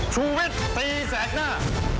ช่ววิตตีแสกหน้า